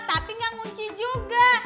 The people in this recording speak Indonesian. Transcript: tapi gak ngunci juga